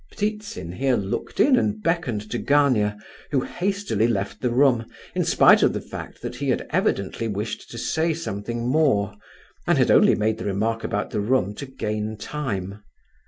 Ptitsin here looked in and beckoned to Gania, who hastily left the room, in spite of the fact that he had evidently wished to say something more and had only made the remark about the room to gain time.